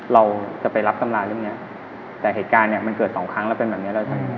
เราจะไปรับตำราเรื่องนี้แต่เหตุการณ์มันเกิด๒ครั้งแล้วเป็นแบบนี้